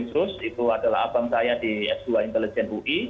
bapak kadir nusantara itu adalah abang saya di s dua intelligent ui